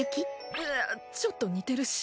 うっちょっと似てるし。